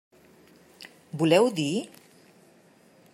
Voleu dir?